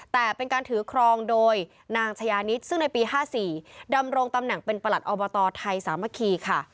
แต่เป็นการถือครองโดยนางชายานิดซึ่งในปี๕๔ดำรงตำแหน่งเป็นประหลัดอบตไทยสามัคคีค่ะ